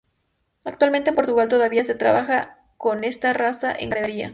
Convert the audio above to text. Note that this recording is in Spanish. Actualmente en Portugal todavía se trabaja con esta raza en ganadería.